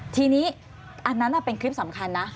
ทีนี้อันนั้นเป็นคลิปสำคัญนะ